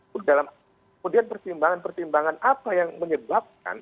kemudian pertimbangan pertimbangan apa yang menyebabkan